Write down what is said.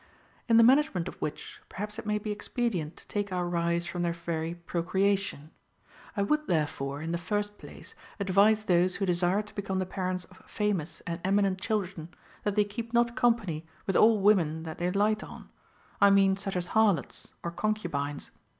2. In the management of which, perhaps it may be ex pedient to take our rise from their very procreation. I would therefore, in the first place, advise those who desire to become the parents of famous and eminent children, that they keep not company with all women that they light on ; I mean such as harlots, or concubines.